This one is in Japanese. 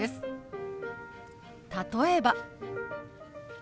例えば。